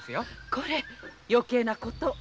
これ余計な事を。